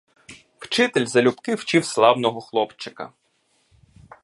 Вчитель залюбки вчив славного хлопчика.